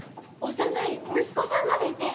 幼い息子さんまでいて！